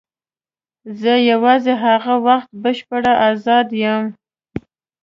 زه یوازې هغه وخت بشپړ آزاد یم.